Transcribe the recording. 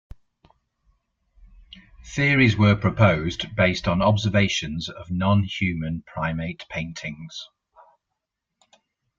Theories were proposed based on observations of non-human primate paintings.